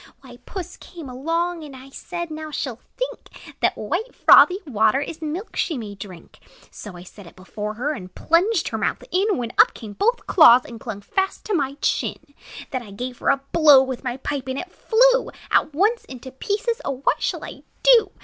"Why, Puss came along; And, said I, 'Now she 'll think That white, frothy water Is milk she may drink.' "So I set it before her, And plunged her mouth in, When up came both paws, And clung fast to my chin. "Then I gave her a blow With my pipe; and it flew At once into pieces! O what shall I do?